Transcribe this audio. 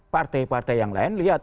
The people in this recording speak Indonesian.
partai partai yang lain lihat